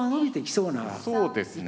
そうですね。